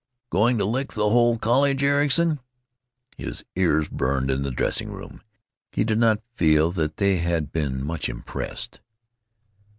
Going to lick the whole college, Ericson?" His ears burned, in the dressing room. He did not feel that they had been much impressed.